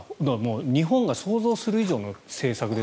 日本が想像する以上の政策ですよ。